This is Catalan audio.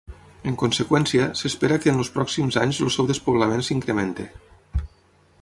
En conseqüència, s'espera que en els pròxims anys el seu despoblament s'incrementi.